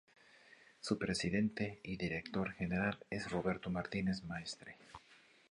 Su presidente y director general es Roberto Martínez Maestre.